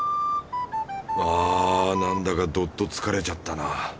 あなんだかどっと疲れちゃったな。